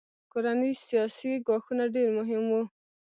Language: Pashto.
کورني سیاسي ګواښونه ډېر مهم وو.